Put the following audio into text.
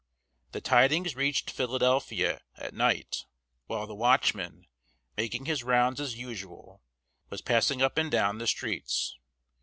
The tidings reached Philadelphia at night, while the watchman, making his rounds as usual, was passing up and down the streets.